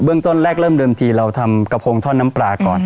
ต้นแรกเริ่มเดิมทีเราทำกระโพงท่อนน้ำปลาก่อน